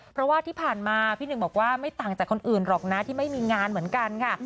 เพราะว่าที่ผ่านมาพี่หนึ่งบอกว่าไม่ต่างจากคนอื่นหรอกนะที่ไม่มีงานเหมือนกันค่ะ